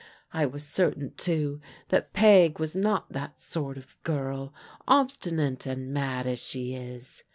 I was certain, too, that Peg was net that sort of girl, obstinate and mad as she is.